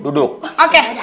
yaudah ambil air minum